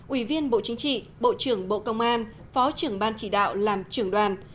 ủy viên bộ chính trị bộ trưởng bộ công an phó trưởng ban chỉ đạo làm trưởng đoàn